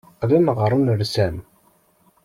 Qqlen ɣer unersam.